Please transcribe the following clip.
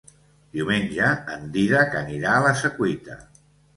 Diumenge en Dídac anirà a la Secuita.